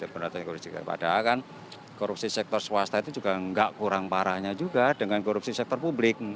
padahal kan korupsi sektor swasta itu juga nggak kurang parahnya juga dengan korupsi sektor publik